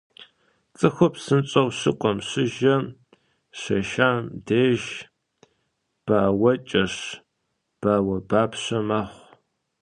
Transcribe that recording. Цӏыхур псынщӏэу щыкӏуэм, щыжэм, щешам деж бауэкӏэщ, бауэбапщэ мэхъу.